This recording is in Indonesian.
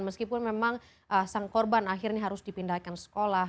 meskipun memang sang korban akhirnya harus dipindahkan sekolah